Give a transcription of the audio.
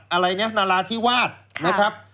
อะไรนะนาราธิวาสนะครับ